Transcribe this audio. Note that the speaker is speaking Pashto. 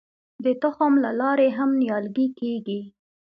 د تخم له لارې هم نیالګي کیږي.